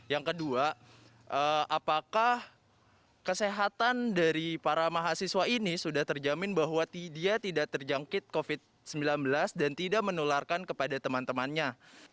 yang kedua apakah kesehatan dari para mahasiswa ini sudah terjamin bahwa dia tidak terjangkit covid sembilan belas dan tidak menularkan kepada teman temannya